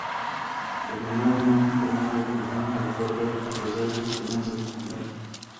Coordinó, además, un temario de oposiciones al cuerpo de profesores de Enseñanza Secundaria.